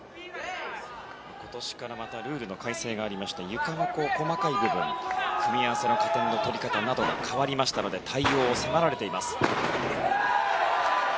今年からまたルールの改正がありましてゆかの細かい部分組み合わせの加点の取り方などが変わりましたので対応を迫られています。